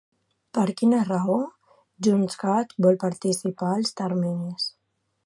Per quina raó JxCat vol anticipar els terminis?